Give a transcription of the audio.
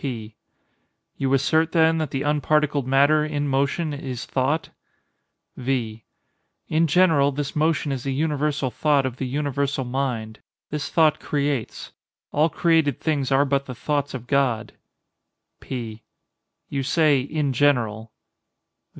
P. You assert, then, that the unparticled matter, in motion, is thought? V. In general, this motion is the universal thought of the universal mind. This thought creates. All created things are but the thoughts of God. P. You say, "in general."